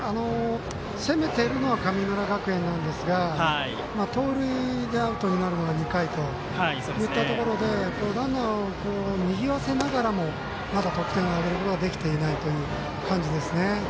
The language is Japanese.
攻めてるのは神村学園なんですが盗塁でアウトになるのが２回といったところでランナーをにぎわせながらもまだ得点を挙げることができていないという感じですね。